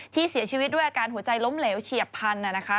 เสียชีวิตด้วยอาการหัวใจล้มเหลวเฉียบพันธุ์